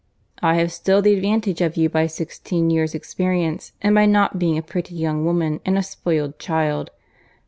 "I have still the advantage of you by sixteen years' experience, and by not being a pretty young woman and a spoiled child.